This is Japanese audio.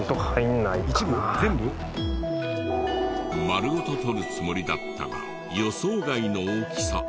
丸ごと取るつもりだったが予想外の大きさ。